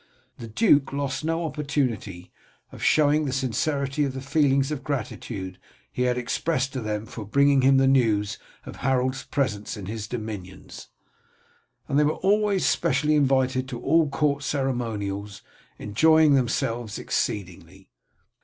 The duke lost no opportunity of showing the sincerity of the feelings of gratitude he had expressed to them for bringing him the news of Harold's presence in his dominions, and they were always specially invited to all court ceremonials, enjoying themselves exceedingly.